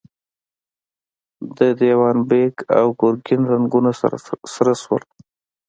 د دېوان بېګ او ګرګين رنګونه سره شول.